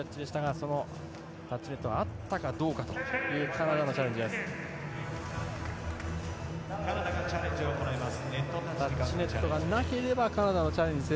そのタッチネットがあったかどうかというカナダのチャレンジです。